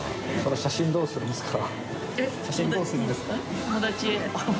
┐叩写真どうするんですか？